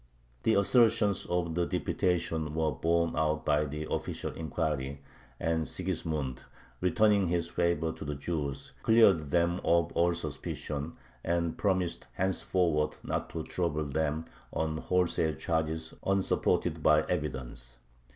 The assertions of the deputation were borne out by the official inquiry, and Sigismund, returning his favor to the Jews, cleared them of all suspicion, and promised henceforward not to trouble them on wholesale charges unsupported by evidence.